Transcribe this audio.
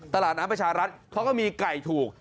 ตลาดน้ำประชารัฐเขาก็มีไก่ถูก